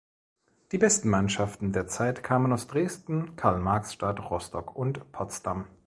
Die besten Mannschaften der Zeit kamen aus Dresden, Karl-Marx-Stadt, Rostock und Potsdam.